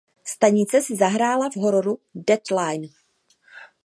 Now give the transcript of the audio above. Stanice si zahrála v hororu Death Line.